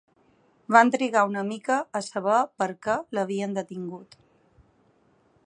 Vam trigar una mica a saber per què l'havien detingut.